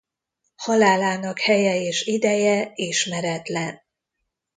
Halálának helye és ideje ismeretlen.